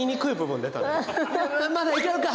うんまだいけるか！